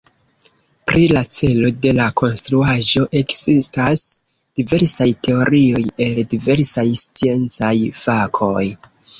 Pri la celo de la konstruaĵo ekzistas diversaj teorioj el diversaj sciencaj fakoj.